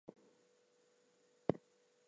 People eat a roast lamb or suckling-pig at Easter.